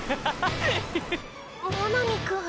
真波くん。